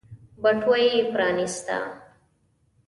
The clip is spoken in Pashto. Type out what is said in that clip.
بټوه يې پرانيسته.